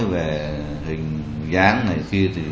về hình dáng này kia